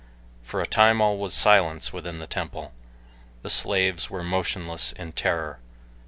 For a time all was silence within the temple. The slaves were motionless in terror.